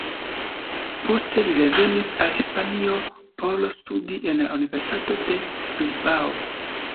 Poste, li revenis al Hispanio por studi en la universitato de Bilbao.